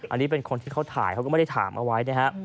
อันนี้เป็นคนที่เขาถ่ายเขาก็ไม่ได้ถามเอาไว้นะฮะ